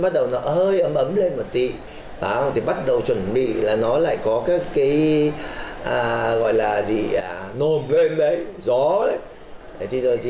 bắt đầu nó hơi ấm ấm lên một tí bắt đầu chuẩn bị là nó lại có các cái gọi là gì nồm lên đấy gió đấy